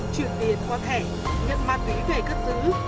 chuyển tiền qua thẻ nhận ma túy về cất giữ